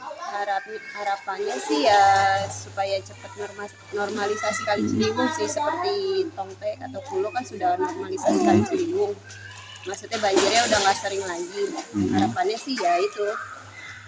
maksudnya banjirnya udah gak sering lagi harapannya sih ya itu